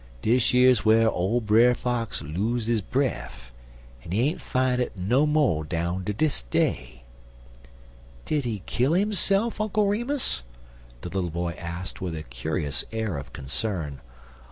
Dish yer's whar ole Brer Fox los' his breff, en he ain't fine it no mo' down ter dis day." "Did he kill himself, Uncle Remus?" the little boy asked, with a curious air of concern.